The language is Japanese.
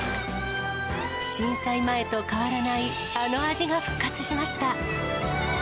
震災前と変わらない、あの味が復活しました。